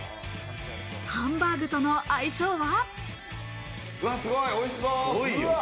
ハンバーグとの相性は？